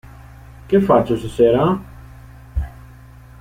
Che faccio stasera?